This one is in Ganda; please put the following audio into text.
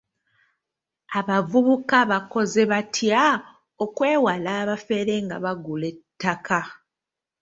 Abavubuka bakoze batya okwewala abafere nga bagula ettaka?